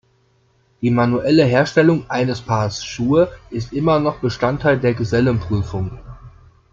Die manuelle Herstellung eines Paars Schuhe ist immer noch Bestandteil der Gesellenprüfung.